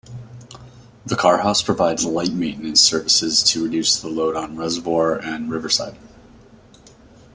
The carhouse provides light maintenance services to reduce the load on Reservoir and Riverside.